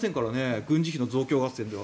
軍事費の増強合戦では。